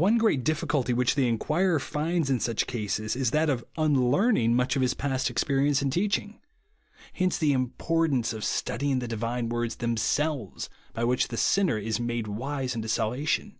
One great difficulty which the inquirer finds in such cases, is that of unlearning much of his I2 102 BELIEVE AND BE SAVED. past experience and teaching. Hence the importance of studying the divine Avorda themselves, by which the sinner is made wise unto salvation.